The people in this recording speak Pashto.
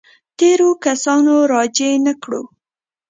تېرو کسانو راجع نه کړو.